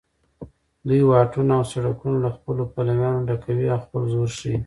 دوی واټونه او سړکونه له خپلو پلویانو ډکوي او خپل زور ښیي